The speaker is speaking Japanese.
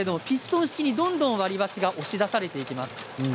ピストン式に、どんどん割り箸が押し出されています。